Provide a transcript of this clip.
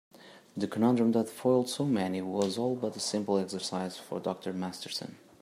The conundrum that foiled so many was all but a simple exercise for Dr. Masterson.